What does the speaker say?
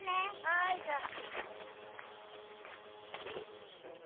はいじゃあ。